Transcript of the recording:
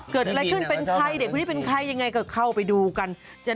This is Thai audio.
เกิดอะไรขึ้นเป็นใครเด็กคนนี้เป็นใครยังไงก็เข้าไปดูกัน